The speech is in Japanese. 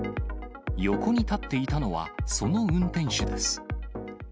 横に立っていたのは、その運転手です。